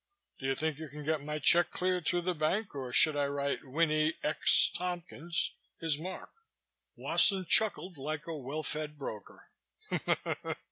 Do you think you can get my check cleared through the bank or should I write Winnie 'X' Tompkins, his mark?" Wasson chuckled like a well fed broker.